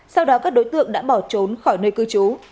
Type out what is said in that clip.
sau đó các đối tượng đã bỏ trốn khỏi nơi cư trú